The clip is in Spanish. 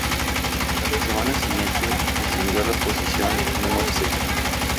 A la semana siguiente, descendió a la posición número setenta.